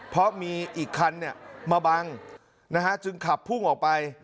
เพราะมีอีกคันมาบังจึงขับพุ่งออกไป